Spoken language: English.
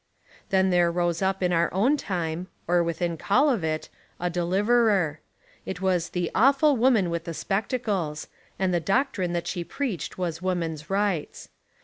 Then there rose up in our own time, or with in call of it, a deliverer. It was the Awful Woman with the Spectacles, and the doctrine that she preached was Woman's Rights.